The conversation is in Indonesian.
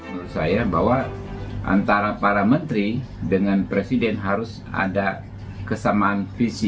menurut saya bahwa antara para menteri dengan presiden harus ada kesamaan visi